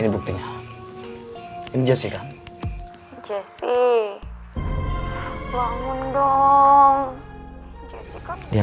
jangan lama lama tidurnya